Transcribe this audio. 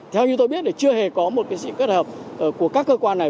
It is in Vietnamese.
theo như tôi biết chưa hề có một sự kết hợp của các cơ quan này